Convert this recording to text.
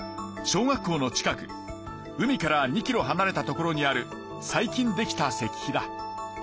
小学校の近く海から２ｋｍ離れた所にある最近できた石碑だ。